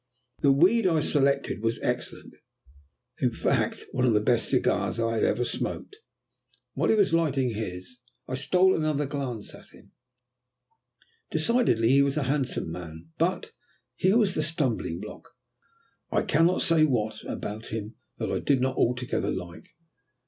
The weed I selected was excellent, in fact one of the best cigars I had ever smoked. While he was lighting his I stole another glance at him. Decidedly he was a handsome man, but here was the stumbling block there was something, I cannot say what, about him that I did not altogether like.